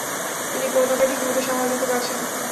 তিনি পতাকা ঠিকমত সামাল দিতে পারছেন না।